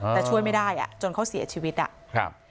แต่ช่วยไม่ได้อ่ะจนเขาเสียชีวิตอ่ะครับ